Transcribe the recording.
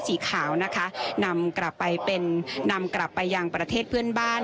สีขาวนะคะนำกลับไปเป็นนำกลับไปยังประเทศเพื่อนบ้าน